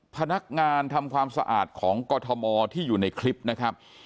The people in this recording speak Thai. พนักงานทำความสะอาดของกรทมที่อยู่ในคลิปนะครับ